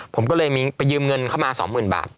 ผมก็เลยไปยืมเงินเข้ามา๒๐๐๐บาท